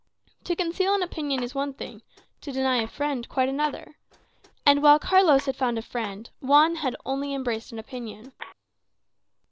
To conceal an opinion is one thing, to deny a friend quite another. And while Carlos had found a Friend, Juan had only embraced an opinion.